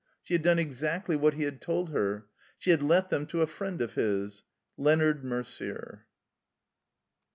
She had done exactly what he had told her. She had let them to a friend of his— Leonard Merder.